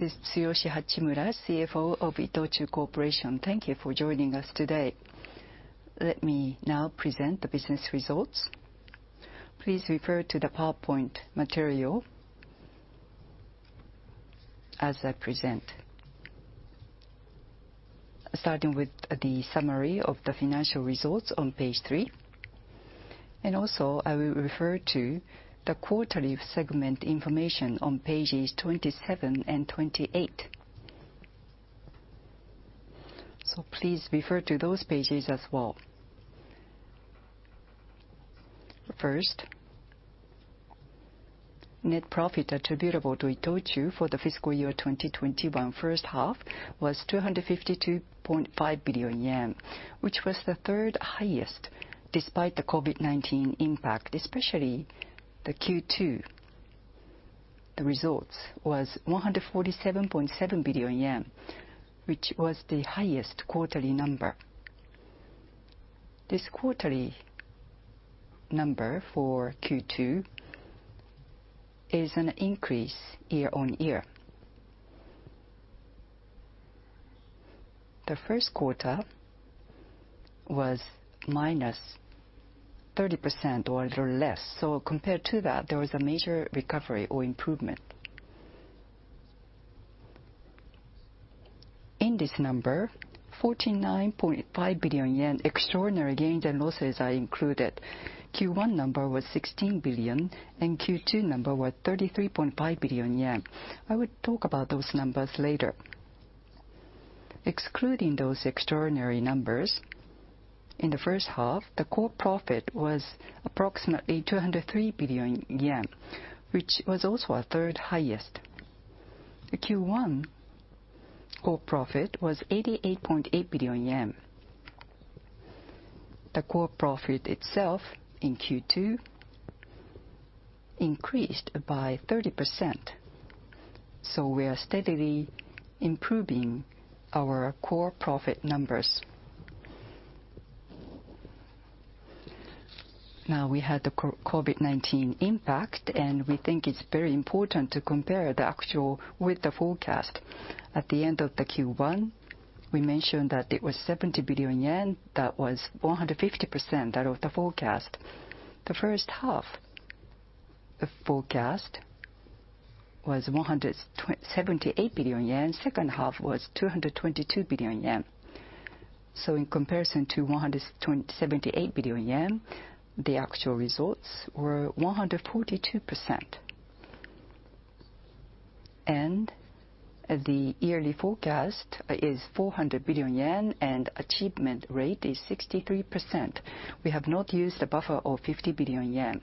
This is Tsuyoshi Hachimura, CFO of ITOCHU Corporation. Thank you for joining us today. Let me now present the business results. Please refer to the PowerPoint material as I present, starting with the summary of the financial results on page three. I will also refer to the quarterly segment information on pages 27 and 28. Please refer to those pages as well. First, net profit attributable to ITOCHU for the fiscal year 2021 first half was 252.5 billion yen, which was the third highest despite the COVID-19 impact, especially the Q2. The results were 147.7 billion yen, which was the highest quarterly number. This quarterly number for Q2 is an increase year-on-year. The first quarter was -30% or less. Compared to that, there was a major recovery or improvement. In this number, 49.5 billion yen extraordinary gains and losses are included. Q1 number was 16 billion, and Q2 number was 33.5 billion yen. I will talk about those numbers later. Excluding those extraordinary numbers, in the first half, the core profit was approximately 203 billion yen, which was also a third highest. Q1 core profit was 88.8 billion yen. The core profit itself in Q2 increased by 30%. We are steadily improving our core profit numbers. We had the COVID-19 impact, and we think it's very important to compare the actual with the forecast. At the end of Q1, we mentioned that it was 70 billion yen. That was 150% of the forecast. The first half forecast was 178 billion yen. Second half was 222 billion yen. In comparison to 178 billion yen, the actual results were 142%. The yearly forecast is 400 billion yen, and achievement rate is 63%. We have not used a buffer of 50 billion yen.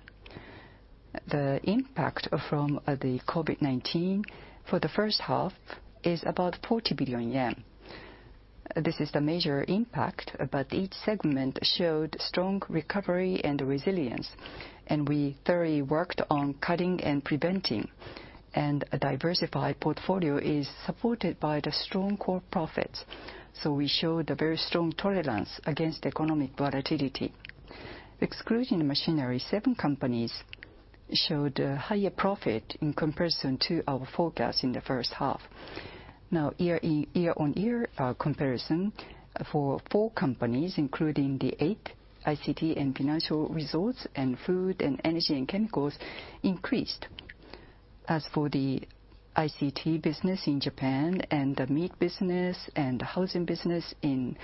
The impact from the COVID-19 for the first half is about 40 billion yen. This is the major impact, but each segment showed strong recovery and resilience, and we thoroughly worked on cutting and preventing. A diversified portfolio is supported by the strong core profits. We showed a very strong tolerance against economic volatility. Excluding the machinery, seven companies showed a higher profit in comparison to our forecast in the first half. Now, year on year comparison for four companies, including the 8th ICT and financial results and food and energy and chemicals, increased. As for the ICT business in Japan and the meat business and housing business in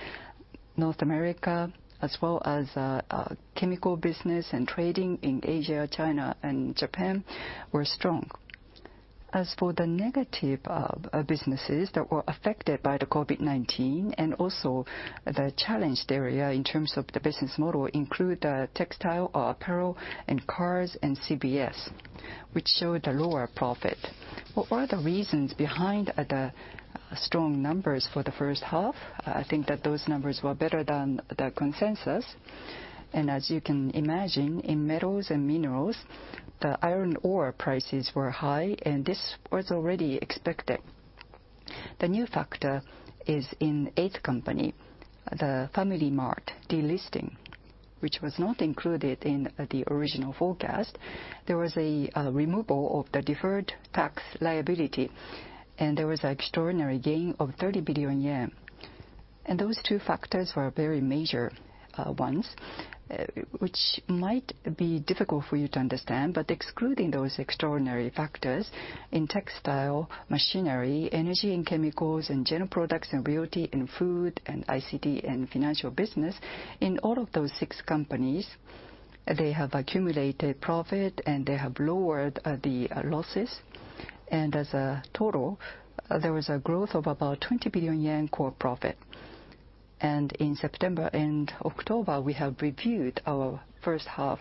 North America, as well as chemical business and trading in Asia, China, and Japan, were strong. As for the negative businesses that were affected by the COVID-19 and also the challenged area in terms of the business model, include textile or apparel and cars and CBS, which showed a lower profit. What were the reasons behind the strong numbers for the first half? I think that those numbers were better than the consensus. As you can imagine, in metals and minerals, the iron ore prices were high, and this was already expected. The new factor is in the 8th Company, the FamilyMart delisting, which was not included in the original forecast. There was a removal of the deferred tax liability, and there was an extraordinary gain of 30 billion yen. Those two factors were very major ones, which might be difficult for you to understand. Excluding those extraordinary factors in textile, machinery, energy and chemicals, and general products and realty and food and ICT and financial business, in all of those six companies, they have accumulated profit, and they have lowered the losses. As a total, there was a growth of about 20 billion yen core profit. In September and October, we have reviewed our first half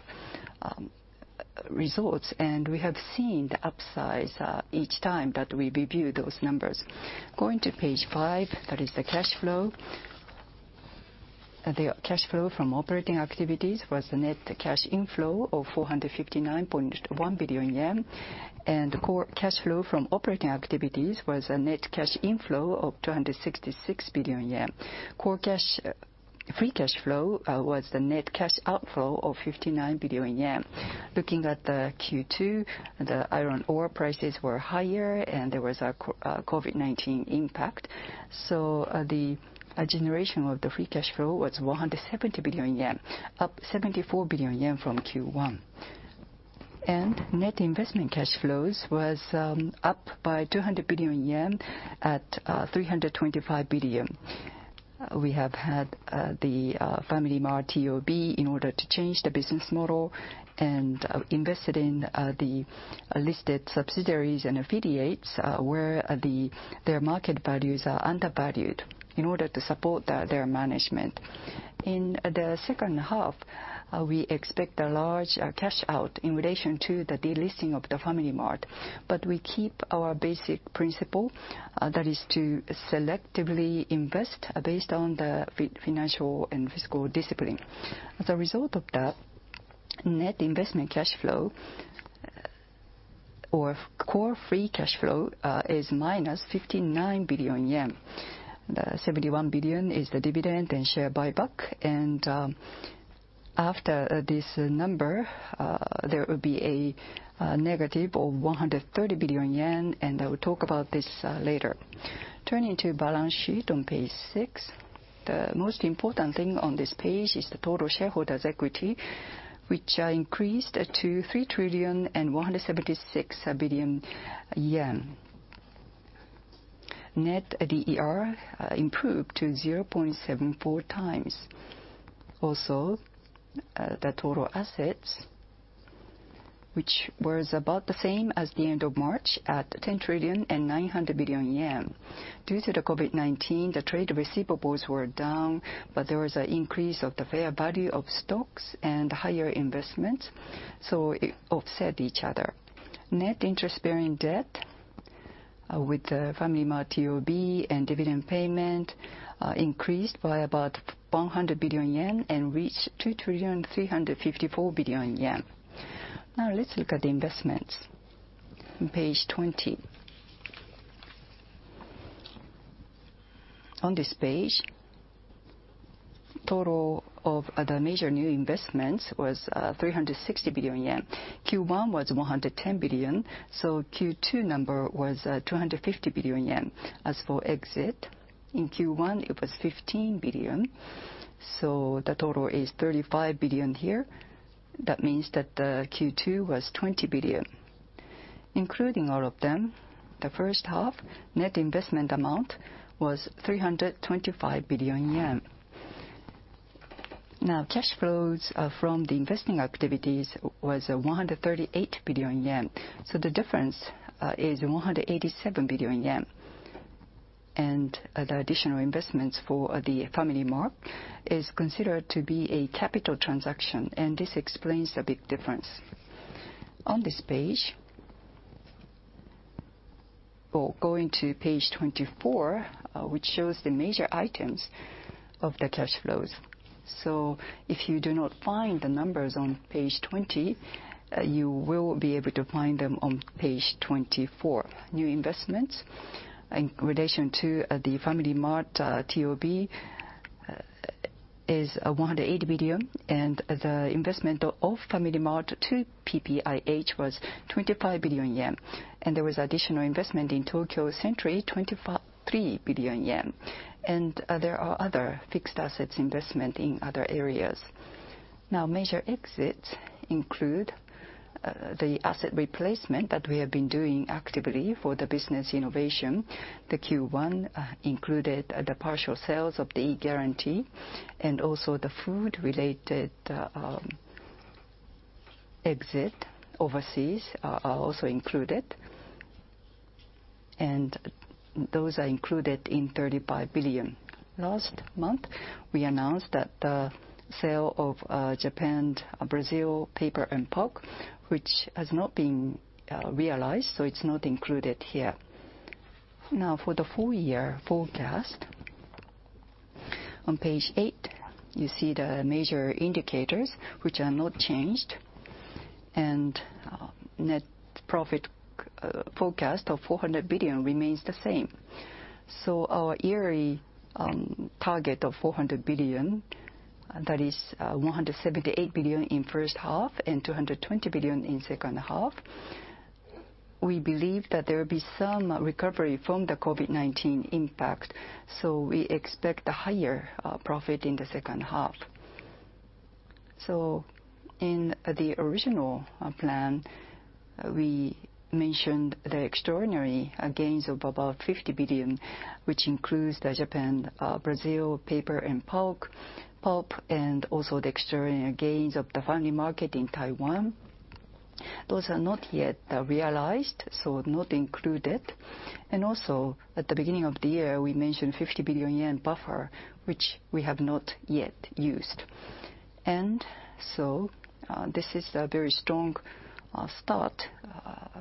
results, and we have seen the upsize each time that we review those numbers. Going to page five, that is the cash flow. The cash flow from operating activities was a net cash inflow of 459.1 billion yen, and core cash flow from operating activities was a net cash inflow of 266 billion yen. Free cash flow was the net cash outflow of 59 billion yen. Looking at the Q2, the iron ore prices were higher, and there was a COVID-19 impact. The generation of the free cash flow was 170 billion yen, up 74 billion yen from Q1. Net investment cash flows were up by 200 billion yen at 325 billion. We have had the FamilyMart TOB in order to change the business model and invested in the listed subsidiaries and affiliates where their market values are undervalued in order to support their management. In the second half, we expect a large cash out in relation to the delisting of FamilyMart, but we keep our basic principle, that is to selectively invest based on the financial and fiscal discipline. As a result of that, net investment cash flow or core free cash flow is minus 59 billion yen. The 71 billion is the dividend and share buyback. After this number, there will be a negative of 130 billion yen, and I will talk about this later. Turning to balance sheet on page six, the most important thing on this page is the total shareholders' equity, which increased to 3 trillion 176 billion. Net DER improved to 0.74 times. Also, the total assets, which were about the same as the end of March at 10 trillion 900 billion. Due to the COVID-19, the trade receivables were down, but there was an increase of the fair value of stocks and higher investments, so it offset each other. Net interest-bearing debt with the FamilyMart TOB and dividend payment increased by about 100 billion yen and reached 2 trillion 354 billion. Now, let's look at the investments. Page 20. On this page, total of the major new investments was 360 billion yen. Q1 was 110 billion, so Q2 number was 250 billion yen. As for exit, in Q1, it was 15 billion, so the total is 35 billion here. That means that Q2 was 20 billion. Including all of them, the first half net investment amount was 325 billion yen. Now, cash flows from the investing activities were 138 billion yen, so the difference is 187 billion yen. The additional investments for the FamilyMart are considered to be a capital transaction, and this explains the big difference. On this page, or going to page 24, which shows the major items of the cash flows. If you do not find the numbers on page 20, you will be able to find them on page 24. New investments in relation to the FamilyMart TOB are 108 billion, and the investment of FamilyMart to PPIH was 25 billion yen. There was additional investment in Tokyo Century, 23 billion yen. There are other fixed assets investments in other areas. Major exits include the asset replacement that we have been doing actively for the business innovation. Q1 included the partial sales of e-Guardian, and also the food-related exit overseas also included. Those are included in 35 billion. Last month, we announced that the sale of Japan Brazil Paper and Pulp, which has not been realized, so it is not included here. For the full year forecast, on page eight, you see the major indicators, which are not changed, and net profit forecast of 400 billion remains the same. Our yearly target of 400 billion, that is 178 billion in the first half and 220 billion in the second half, we believe that there will be some recovery from the COVID-19 impact, so we expect a higher profit in the second half. In the original plan, we mentioned the extraordinary gains of about 50 billion, which includes the Japan Brazil Paper and Pulp, and also the extraordinary gains of the FamilyMart in Taiwan. Those are not yet realized, so not included. Also, at the beginning of the year, we mentioned the 50 billion yen buffer, which we have not yet used. This is a very strong start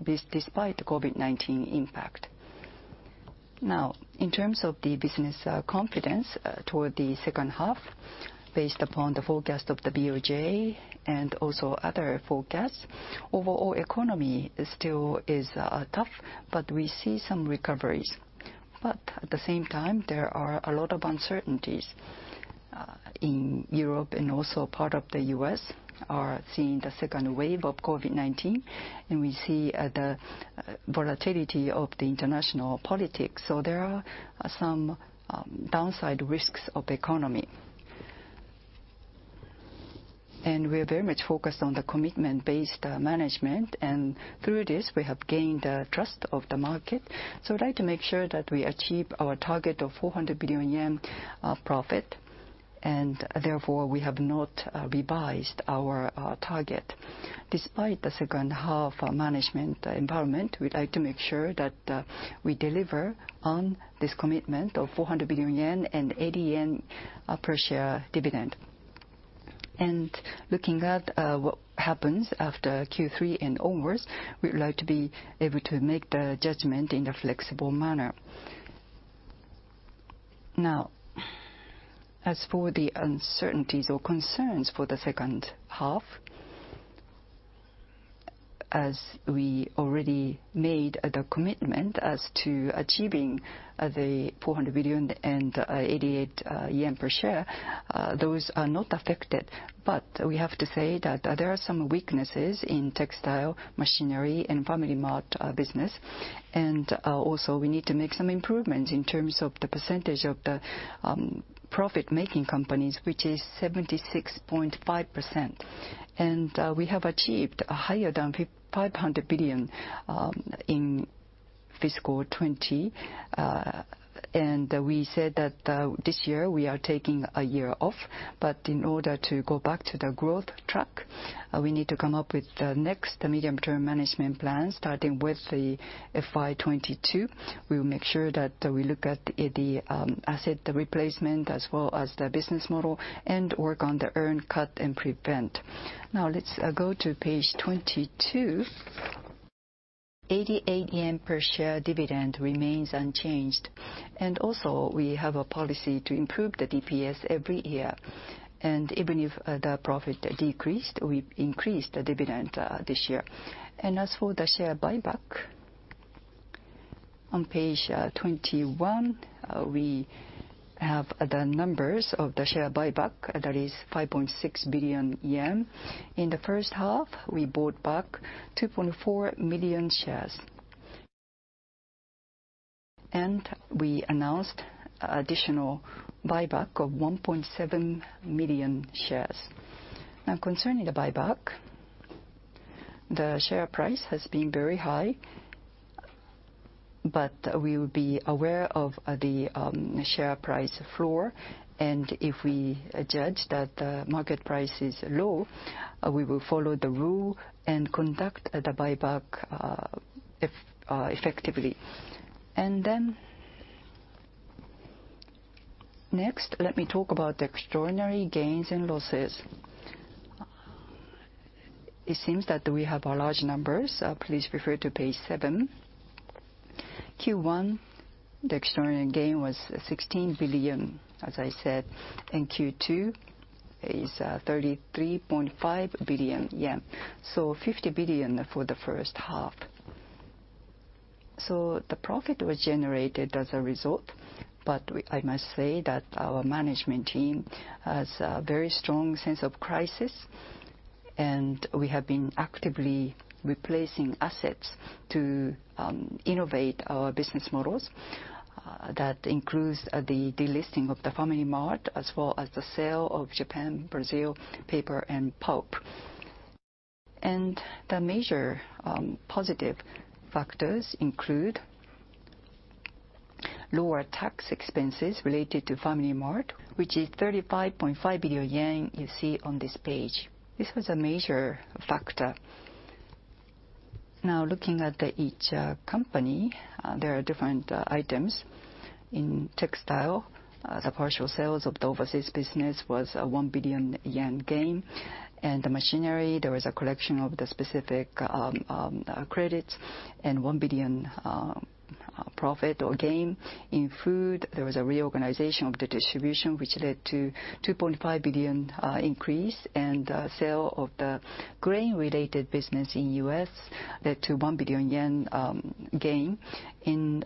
despite the COVID-19 impact. In terms of the business confidence toward the second half, based upon the forecast of the BOJ and also other forecasts, overall economy still is tough, but we see some recoveries. At the same time, there are a lot of uncertainties in Europe, and also part of the U.S. are seeing the second wave of COVID-19, and we see the volatility of the international politics. There are some downside risks of the economy. We are very much focused on the commitment-based management, and through this, we have gained the trust of the market. I'd like to make sure that we achieve our target of 400 billion yen profit, and therefore we have not revised our target. Despite the second half management environment, we'd like to make sure that we deliver on this commitment of 400 billion yen and 80 yen per share dividend. Looking at what happens after Q3 and onwards, we'd like to be able to make the judgment in a flexible manner. Now, as for the uncertainties or concerns for the second half, as we already made the commitment as to achieving the 400 billion and 88 yen per share, those are not affected. We have to say that there are some weaknesses in textile, machinery, and FamilyMart business. Also, we need to make some improvements in terms of the percentage of the profit-making companies, which is 76.5%. We have achieved higher than 500 billion in fiscal 2020, and we said that this year we are taking a year off. In order to go back to the growth track, we need to come up with the next medium-term management plan starting with the fiscal year 2022. We will make sure that we look at the asset replacement as well as the business model and work on the earn, cut, and prevent. Now, let's go to page 22. 88 yen per share dividend remains unchanged. We have a policy to improve the DPS every year. Even if the profit decreased, we've increased the dividend this year. As for the share buyback, on page 21, we have the numbers of the share buyback, that is 5.6 billion yen. In the first half, we bought back 2.4 million shares. We announced additional buyback of 1.7 million shares. Now, concerning the buyback, the share price has been very high, but we will be aware of the share price floor. If we judge that the market price is low, we will follow the rule and conduct the buyback effectively. Next, let me talk about the extraordinary gains and losses. It seems that we have large numbers. Please refer to page seven. Q1, the extraordinary gain was 16 billion, as I said, and Q2 is 33.5 billion yen. 50 billion for the first half. The profit was generated as a result, but I must say that our management team has a very strong sense of crisis, and we have been actively replacing assets to innovate our business models. That includes the delisting of FamilyMart as well as the sale of Japan Brazil Paper and Pulp. The major positive factors include lower tax expenses related to FamilyMart, which is 35.5 billion yen you see on this page. This was a major factor. Now, looking at each company, there are different items. In textile, the partial sales of the overseas business was 1 billion yen gain. In machinery, there was a collection of the specific credits and 1 billion profit or gain. In food, there was a reorganization of the distribution, which led to a 2.5 billion increase. The sale of the grain-related business in the U.S. led to a 1 billion yen gain. In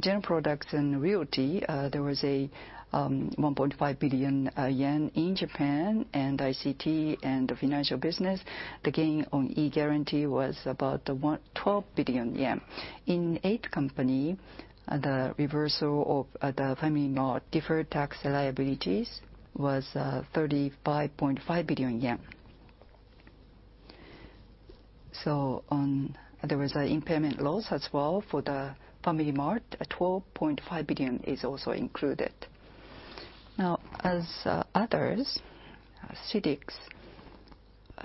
general products and realty, there was a 1.5 billion yen in Japan. In ICT and the financial business, the gain on e-Guardian was about 12 billion yen. In 8th Company, the reversal of the FamilyMart deferred tax liabilities was 35.5 billion yen. There were impairment losses as well for the FamilyMart. 12.5 billion is also included. As others, CITIC,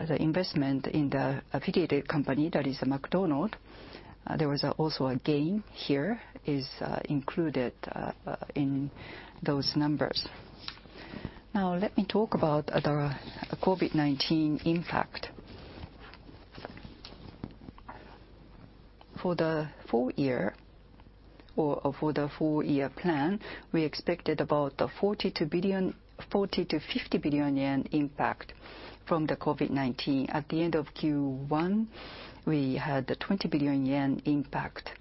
the investment in the affiliated company that is McDonald's, there was also a gain here included in those numbers. Now, let me talk about the COVID-19 impact. For the full year or for the full year plan, we expected about 40-50 billion yen impact from the COVID-19. At the end of Q1, we had a 20 billion yen impact.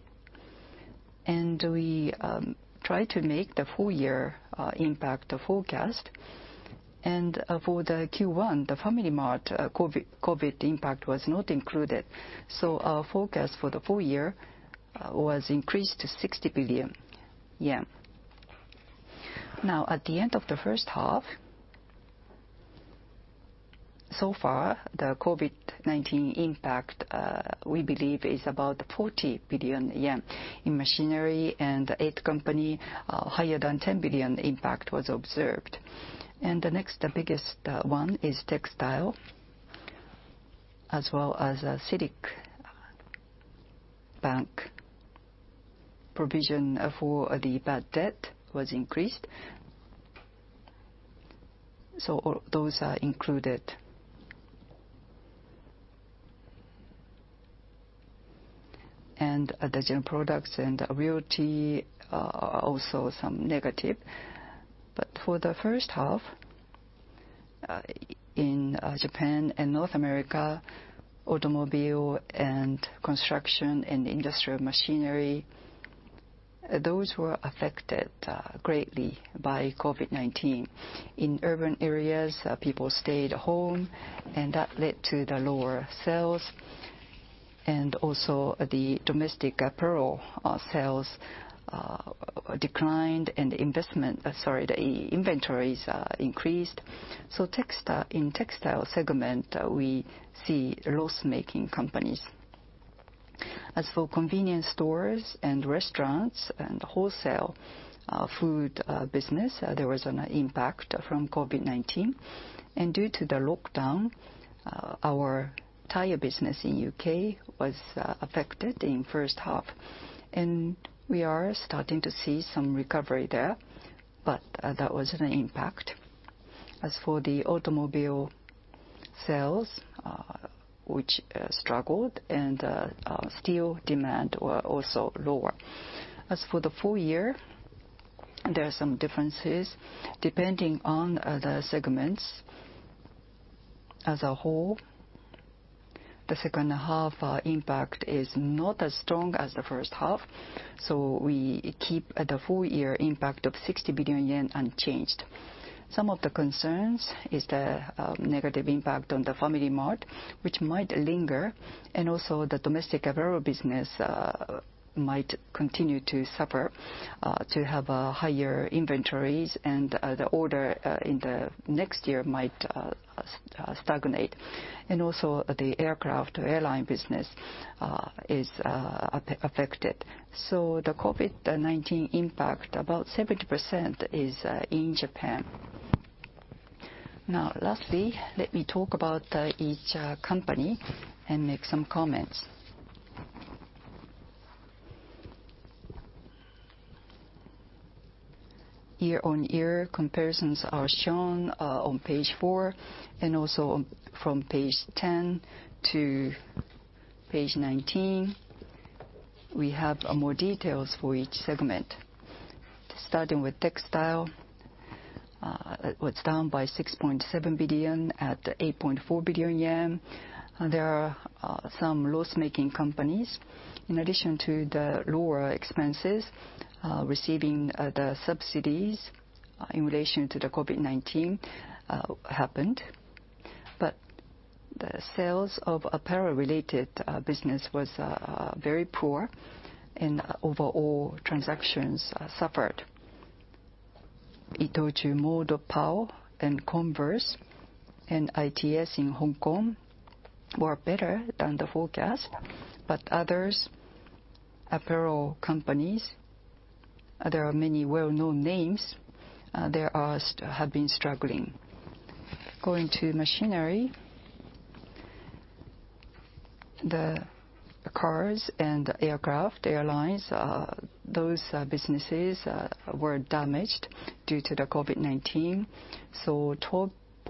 We tried to make the full year impact forecast. For Q1, the FamilyMart COVID impact was not included. Our forecast for the full year was increased to 60 billion yen. Now, at the end of the first half, so far, the COVID-19 impact, we believe, is about 40 billion yen in machinery and 8th Company. Higher than 10 billion impact was observed. The next biggest one is textile, as well as CITIC Bank. Provision for the bad debt was increased. Those are included. The general products and realty are also some negative. For the first half, in Japan and North America, automobile and construction and industrial machinery, those were affected greatly by COVID-19. In urban areas, people stayed home, and that led to the lower sales. Also, the domestic apparel sales declined, and the inventories increased. In the textile segment, we see loss-making companies. As for convenience stores and restaurants and wholesale food business, there was an impact from COVID-19. Due to the lockdown, our tire business in the U.K. was affected in the first half. We are starting to see some recovery there, but that was an impact. As for the automobile sales, which struggled, steel demand was also lower. For the full year, there are some differences depending on the segments. As a whole, the second half impact is not as strong as the first half. We keep the full year impact of 60 billion yen unchanged. Some of the concerns are the negative impact on FamilyMart, which might linger, and also the domestic apparel business might continue to suffer, to have higher inventories, and the order in the next year might stagnate. The aircraft airline business is affected. The COVID-19 impact, about 70%, is in Japan. Now, lastly, let me talk about each company and make some comments. Year-on-year comparisons are shown on page four, and also from page 10 to page 19. We have more details for each segment. Starting with textile, it was down by 6.7 billion at 8.4 billion yen. There are some loss-making companies. In addition to the lower expenses, receiving the subsidies in relation to COVID-19 happened. The sales of apparel-related business was very poor, and overall transactions suffered. ITOCHU MODEPAL and Converse and ITS in Hong Kong were better than the forecast, but other apparel companies, there are many well-known names, have been struggling. Going to machinery, the cars and aircraft airlines, those businesses were damaged due to the COVID-19.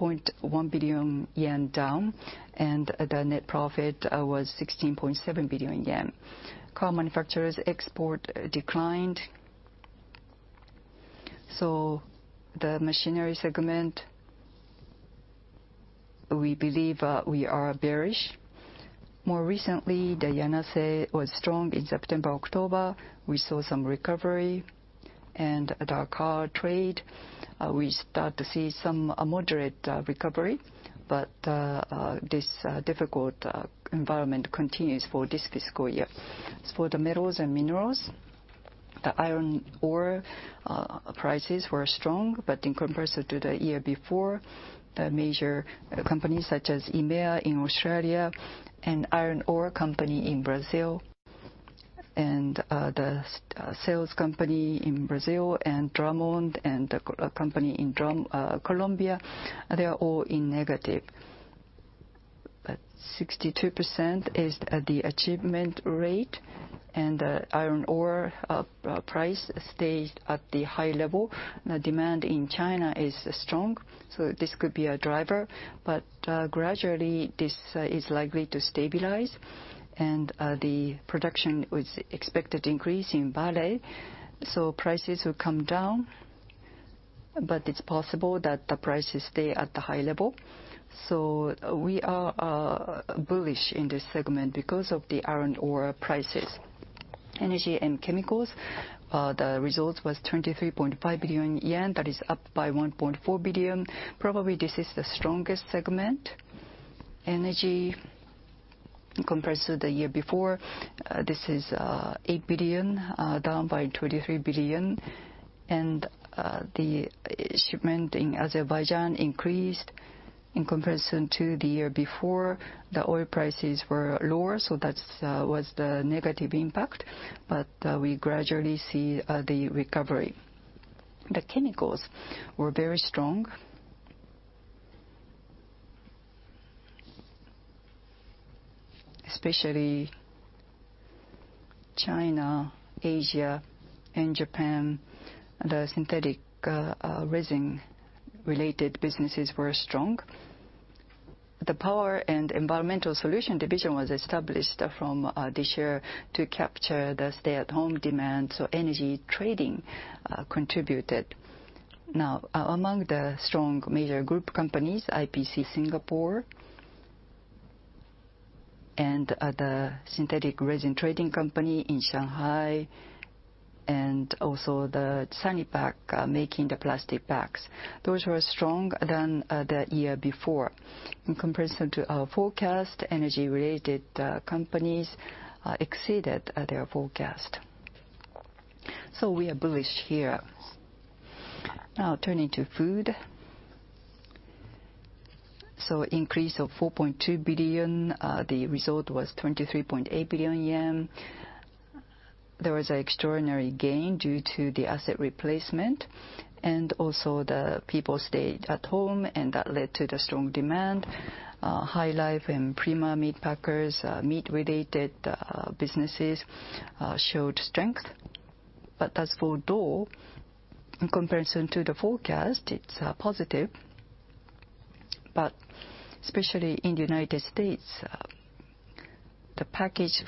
12.1 billion yen down, and the net profit was 16.7 billion yen. Car manufacturers' export declined. The machinery segment, we believe we are bearish. More recently, Yanase was strong in September, October. We saw some recovery. The car trade, we start to see some moderate recovery, but this difficult environment continues for this fiscal year. As for the metals and minerals, the iron ore prices were strong, but in comparison to the year before, the major companies such as IMEA in Australia and the iron ore company in Brazil, and the sales company in Brazil and Drummond and the company in Colombia, they are all in negative. However, 62% is the achievement rate, and the iron ore price stayed at the high level. The demand in China is strong. This could be a driver, but gradually this is likely to stabilize. The production was expected to increase in Vale. Prices will come down, but it is possible that the prices stay at the high level. We are bullish in this segment because of the iron ore prices. Energy and chemicals, the result was 23.5 billion yen. That is up by 1.4 billion. Probably this is the strongest segment. Energy, in comparison to the year before, this is 8 billion, down by 23 billion. The shipment in Azerbaijan increased in comparison to the year before. The oil prices were lower, so that was the negative impact. We gradually see the recovery. The chemicals were very strong, especially China, Asia, and Japan. The synthetic resin-related businesses were strong. The power and environmental solution division was established from this year to capture the stay-at-home demand. Energy trading contributed. Now, among the strong major group companies, IPC Singapore and the synthetic resin trading company in Shanghai, and also Sanipac making the plastic packs. Those were stronger than the year before. In comparison to our forecast, energy-related companies exceeded their forecast. We are bullish here. Now, turning to food. Increase of 4.2 billion. The result was 23.8 billion yen. There was an extraordinary gain due to the asset replacement. Also, the people stayed at home, and that led to the strong demand. HyLife and Prima Meat Packers, meat-related businesses, showed strength. As for Dole, in comparison to the forecast, it's positive. Especially in the United States, the packaged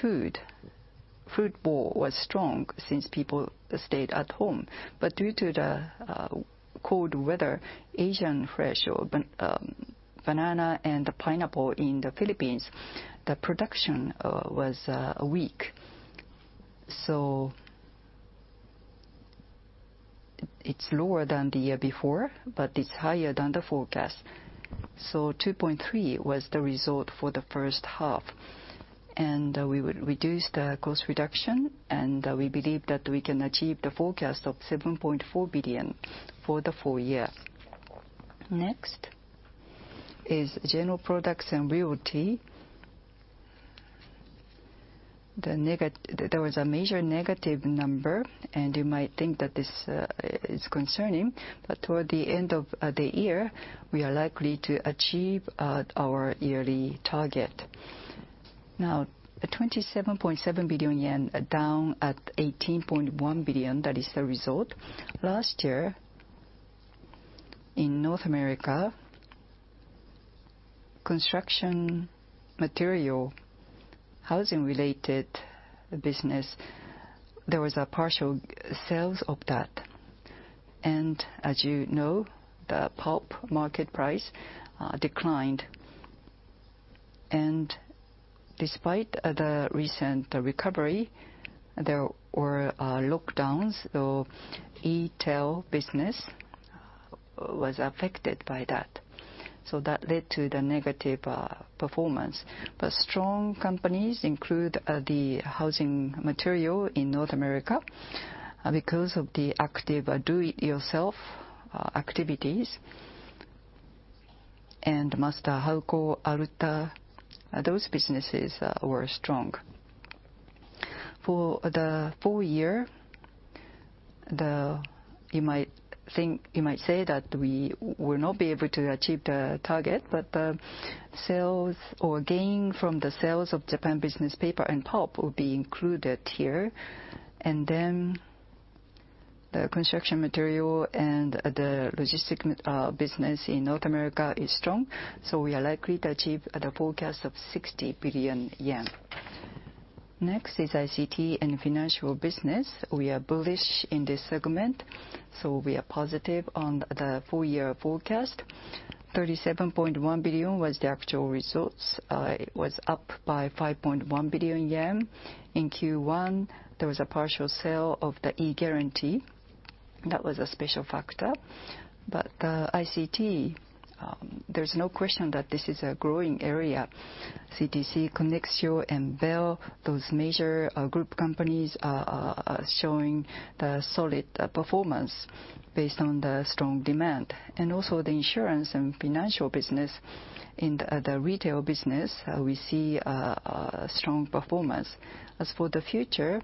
food, Fruit Bowls was strong since people stayed at home. Due to the cold weather, Asian fresh banana and pineapple in the Philippines, the production was weak. It is lower than the year before, but it is higher than the forecast. 2.3 was the result for the first half. We would reduce the cost reduction, and we believe that we can achieve the forecast of 7.4 billion for the full year. Next is general products and realty. There was a major negative number, and you might think that this is concerning. Toward the end of the year, we are likely to achieve our yearly target. Now, 27.7 billion yen down at 18.1 billion. That is the result. Last year, in North America, construction material, housing-related business, there was a partial sales of that. As you know, the pulp market price declined. Despite the recent recovery, there were lockdowns. ETEL business was affected by that. That led to the negative performance. Strong companies include the housing material in North America because of the active do-it-yourself activities. Master-Halco, Alta, those businesses were strong. For the full year, you might say that we will not be able to achieve the target, but sales or gain from the sales of Japan business paper and pulp will be included here. The construction material and the logistic business in North America is strong. We are likely to achieve the forecast of 60 billion yen. Next is ICT and financial business. We are bullish in this segment. We are positive on the full year forecast. 37.1 billion was the actual results. It was up by 5.1 billion yen. In Q1, there was a partial sale of the e-Guardian. That was a special factor. ICT, there is no question that this is a growing area. CTC, Connexio, and Bell, those major group companies are showing solid performance based on the strong demand. Also, the insurance and financial business. In the retail business, we see strong performance. As for the future,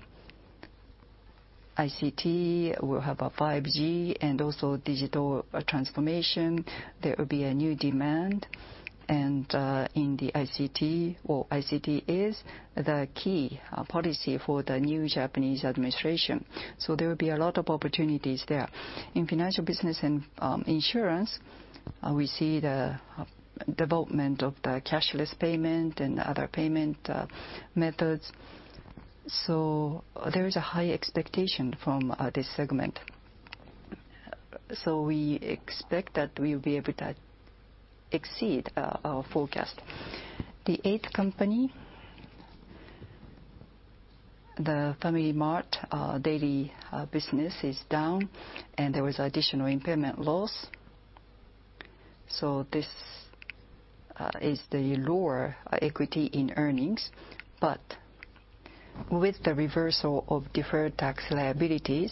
ICT will have 5G and also digital transformation. There will be new demand. ICT is the key policy for the new Japanese administration. There will be a lot of opportunities there. In financial business and insurance, we see the development of the cashless payment and other payment methods. There is a high expectation from this segment. We expect that we will be able to exceed our forecast. The 8th Company, the FamilyMart daily business is down, and there was additional impairment loss. This is the lower equity in earnings. With the reversal of deferred tax liabilities,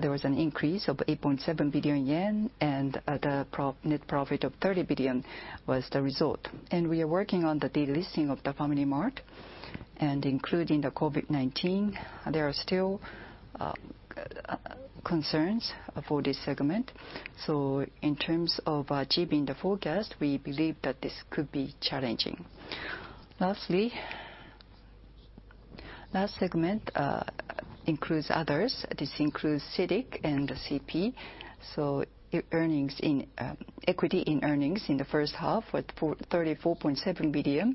there was an increase of 8.7 billion yen, and the net profit of 30 billion was the result. We are working on the delisting of the FamilyMart. Including the COVID-19, there are still concerns for this segment. In terms of achieving the forecast, we believe that this could be challenging. Lastly, last segment includes others. This includes CITIC and CP. Equity in earnings in the first half was 34.7 billion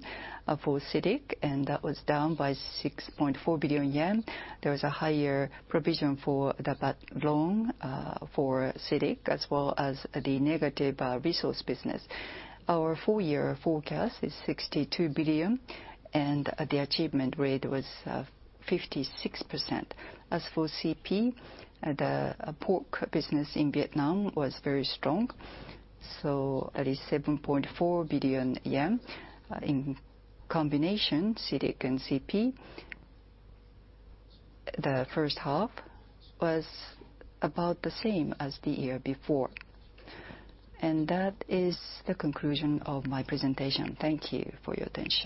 for CITIC, and that was down by 6.4 billion yen. There was a higher provision for the bad loan for CITIC, as well as the negative resource business. Our full year forecast is 62 billion, and the achievement rate was 56%. As for CP, the pork business in Vietnam was very strong. That is 7.4 billion yen in combination, CITIC and CP. The first half was about the same as the year before. That is the conclusion of my presentation. Thank you for your attention.